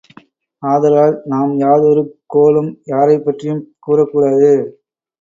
ஆதலால் நாம் யாதொரு கோளும் யாரைப் பற்றியும் கூறக் கூடாது.